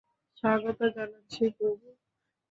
স্বাগত জানাচ্ছি, প্রভু!